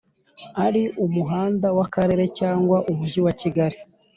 ari umuhanda w Akarere cyangwa Umujyi wa kigali